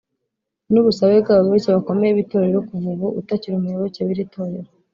n’ubusabe bw’abayoboke bakomeye b’itorero kuva ubu utakiri umuyoboke w’iri torero